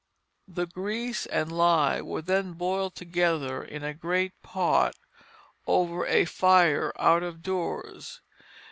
The grease and lye were then boiled together in a great pot over a fire out of doors.